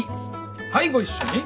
はいご一緒に。